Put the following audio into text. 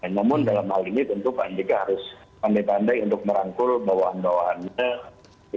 namun dalam hal ini tentu pak andika harus pandai pandai untuk merangkul bawahan bawahannya